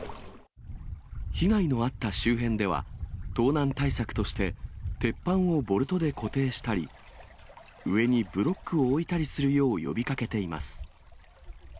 被害のあった周辺では、盗難対策として、鉄板をボルトで固定したり、上にブロックを置いたりするよう呼びかけています。